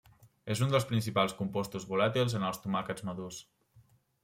És un dels principals compostos volàtils en els tomàquets madurs.